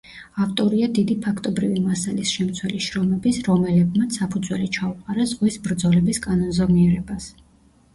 ავტორია დიდი ფაქტობრივი მასალის შემცველი შრომების, რომელებმაც საფუძველი ჩაუყარა ზღვის ბრძოლების კანონზომიერებას.